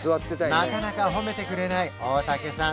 なかなか褒めてくれない大竹さん